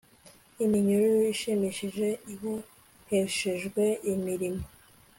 Iminyururu ishimishije iboheshejwe imirimo